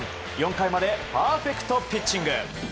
４回までパーフェクトピッチング。